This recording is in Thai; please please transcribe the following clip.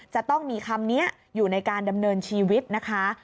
จะต้องมีคำนี้อยู่ในการดำเนินชีวิตนะคะ